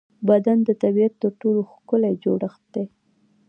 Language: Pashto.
بدن د طبیعت تر ټولو ښکلی جوړڻت دی.